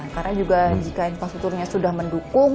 karena juga jika infrastrukturnya sudah mendukung